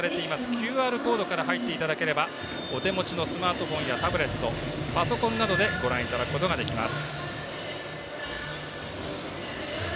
ＱＲコードから入っていただければお手持ちのスマートフォンやタブレット、パソコンなどでご覧いただくことができます。